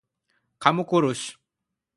Kamu kurus.